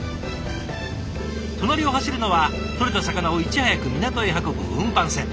隣を走るのはとれた魚をいち早く港へ運ぶ運搬船。